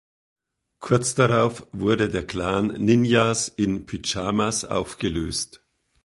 Kurz darauf wurde der Clan Ninjas in Pyjamas aufgelöst.